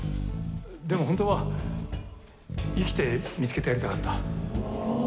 でも、本当は生きて見つけてやりたかった。